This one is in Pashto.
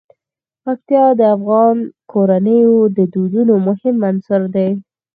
پکتیا د افغان کورنیو د دودونو مهم عنصر دی.